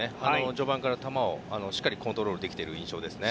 序盤から球をしっかりコントロールできている印象ですね。